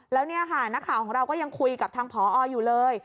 แล้วเนี่ยค่ะนักข่าวของเราก็ยังคุยกับทางพออยู่เลย